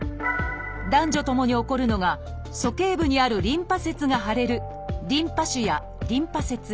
男女ともに起こるのが鼠径部にあるリンパ節が腫れる「リンパ腫」や「リンパ節炎」。